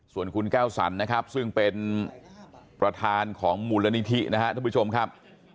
ส่วนคุณแก้วสันนะครับซึ่งเป็นประธานของมูลนิธินะครับท่านผู้ชมครับ